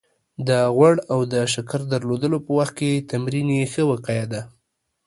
د غوړ او د شکر درلودلو په وخت کې تمرین يې ښه وقايه ده